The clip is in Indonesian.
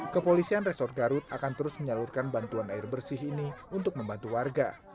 kepolisian resort garut akan terus menyalurkan bantuan air bersih ini untuk membantu warga